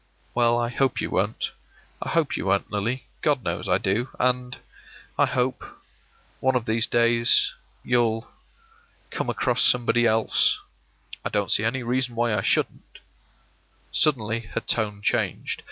” “Well, I hope you won't — I hope you won't, Lily. God knows I do. And — I hope — one of these days — you'll — come across somebody else —” “I don't see any reason why I shouldn't.” Suddenly her tone changed.